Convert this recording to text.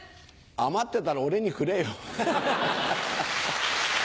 余ってたら俺にくれよ。